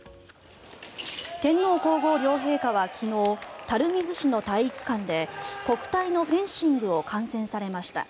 天皇・皇后両陛下は昨日垂水市の体育館で国体のフェンシングを観戦されました。